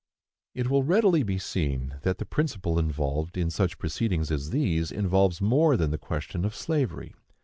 It will readily be seen that the principle involved in such proceedings as these involves more than the question of slavery.